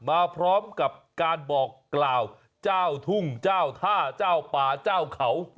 มาพร้อมกับการบอกกล่าวเจ้าทุ่งเจ้าท่าเจ้าป่าเจ้าเขา